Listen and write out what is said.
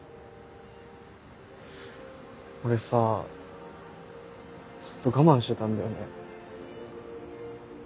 俺さずっと我慢してたんだよね。